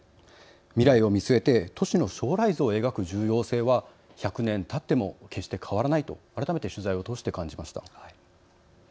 未来を見据えて都市の将来像を描く重要性は１００年たっても決して変わらないと改めて取材を通して感じました。